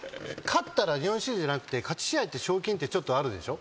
日本シリーズじゃなくて勝ち試合って賞金ってちょっとあるでしょ？